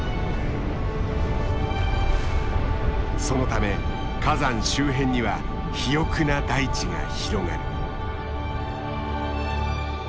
そのため火山周辺には肥沃な大地が広がる。